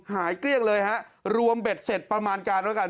เกลี้ยงเลยฮะรวมเบ็ดเสร็จประมาณการด้วยกัน